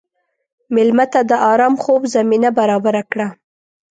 مېلمه ته د ارام خوب زمینه برابره کړه.